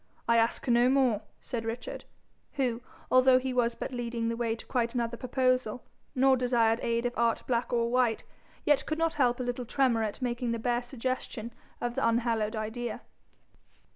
I ask no more,' said Richard, who, although he was but leading the way to quite another proposal, nor desired aid of art black or white, yet could not help a little tremor at making the bare suggestion of the unhallowed idea.